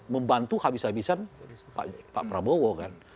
membantu habis habisan pak prabowo kan